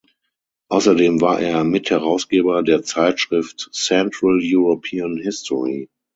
Außerdem war er Mitherausgeber der Zeitschrift "Central European History".